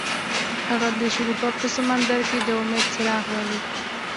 هغه د شګوفه په سمندر کې د امید څراغ ولید.